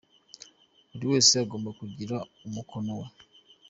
buriwese agomba kugira umukono we.